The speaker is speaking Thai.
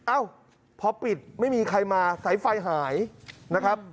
เอ้าพอปิดไม่มีใครมาสายไฟหายนะครับ